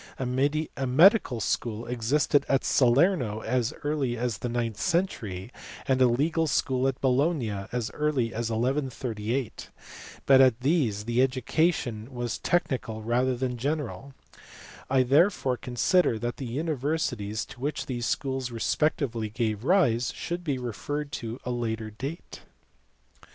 A medical school existed at Salerno as early as the ninth century, and a legal school at Bologna as early as 1138, but at these the education was technical rather than general ; I therefore consider that the universities to which these schools respectively gave rise should be referred to a later date.